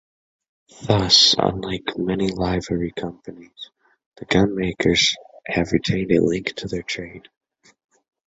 Thus, unlike many Livery Companies, the Gunmakers have retained a link to their trade.